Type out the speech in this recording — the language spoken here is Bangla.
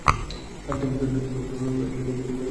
তুমি বলেছিলে আমাকে সাহায্য করবে।